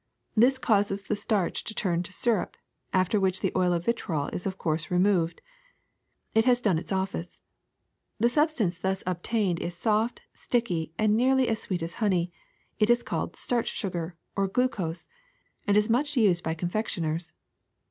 This causes the starch to turn to syrup, after which the oil of vitriol is of course removed. It has done its office. The substance thus obtained is soft, sticky, and nearly as sweet as honey; it is called starch sugar, or glucose, and is much used by con fectioners.